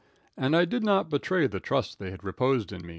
And I did not betray the trust they had reposed in me.